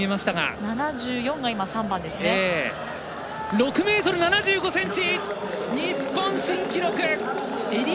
６ｍ７５ｃｍ！日本新記録！